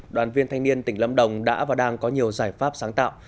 đoàn viên thanh niên tỉnh lâm đồng đã và đang có nhiều giải pháp sáng tạo